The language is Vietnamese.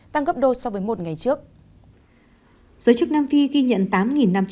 một một mươi hai tăng gấp đôi so với một ngày trước giới chức nam phi ghi nhận tám năm trăm sáu mươi một ca nhiễm